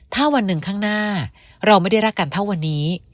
ถ้าวันหนึ่งข้างหน้าเราไม่ได้รักกันเท่าวันนี้